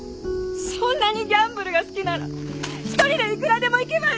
そんなにギャンブルが好きなら１人でいくらでも行けばいい！